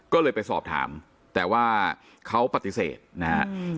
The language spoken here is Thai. ก็เลยไปสอบถามแต่ว่าเขาปฏิเสธนะฮะ